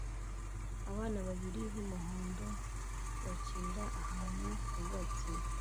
Abana babiri b'umuhondo bakinira ahantu hubatswe